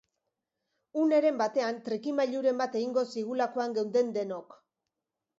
Uneren batean trikimailuren bat egingo zigulakoan geunden denok.